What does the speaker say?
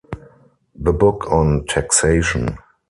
"The Book On Taxation".